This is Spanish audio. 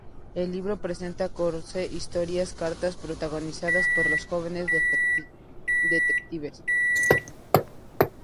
El libro presenta catorce historias cortas protagonizadas por los dos jóvenes detectives.